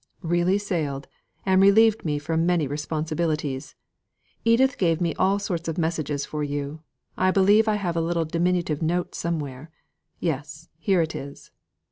"Really sailed, and relieved me from many responsibilities. Edith gave me all sorts of messages for you. I believe I have a little diminutive note somewhere; yes, here it is."